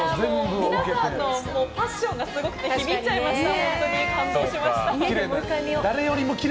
皆さんのパッションがすごくて響いちゃいました。